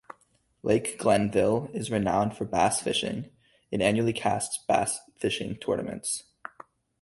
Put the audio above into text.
Lake Glenville is renowned for Bass fishing, it annually casts bass fishing tournaments.